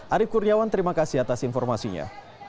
arief kurniawan terima kasih atas informasinya